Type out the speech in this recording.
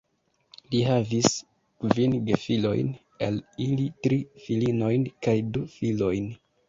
Li havis kvin gefilojn, el ili tri filinojn kaj du filojn.